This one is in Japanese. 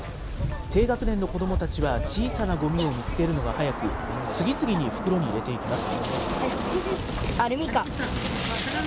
低学年の子どもたちは小さなごみを見つけるのが早く、次々に袋に入れていきます。